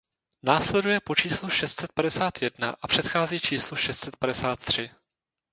Následuje po číslu šest set padesát jedna a předchází číslu šest set padesát tři.